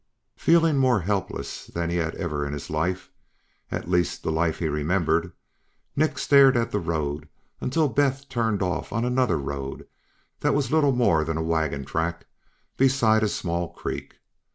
Feeling more helpless than he had ever felt in his life, at least the life he remembered, Nick stared at the road until Beth turned off on another road that was little more than a wagon track beside a small creek.